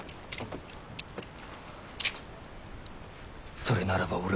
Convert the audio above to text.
それならば俺も。